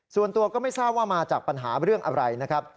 ส่วนตัวก็ไม่ทราบว่ามาจากปัญหาเรื่องอะไรนะครับ